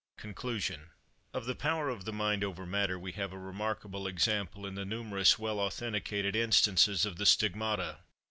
CONCLUSION. OF the power of the mind over matter, we have a remarkable example in the numerous well authenticated instances of the stigmata.